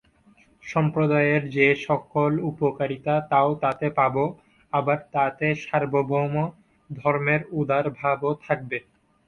সম্প্রদায়ের যে-সকল উপকারিতা তাও তাতে পাব, আবার তাতে সার্বভৌম ধর্মের উদারভাবও থাকবে।